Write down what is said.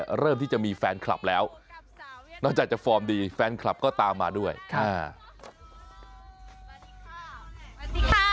เริ่มที่จะมีแฟนคลับแล้วนอกจากจะฟอร์มดีแฟนคลับก็ตามมาด้วยค่ะ